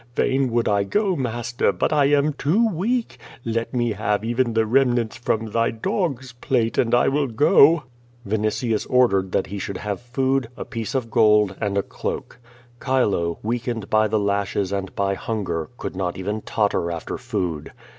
Fain would I go, master, but T am too weak. Let me have even the remnants from thy dog's plate, and I will go." Yinitius ordered that he should have food, a piece of gold, and a cloak. Chilo, weakened by the lashes and by hunger, could not even totter after food.